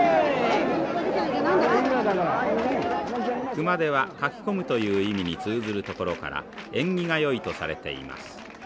熊手は「かき込む」という意味に通ずるところから縁起がよいとされています。